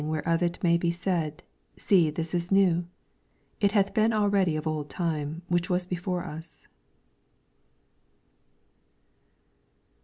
Is there anything whereof it may be said, ' See, this is new? it hath been already of old time, which was before us.'